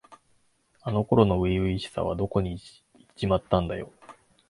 あの頃の初々しさはどこにいっちまったんだよ。